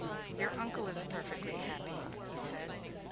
"Your uncle is perfectly happy," he said.